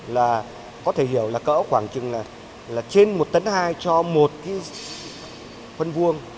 là có thể hiểu là cỡ khoảng chừng là trên một tấn hai cho một cái phân vuông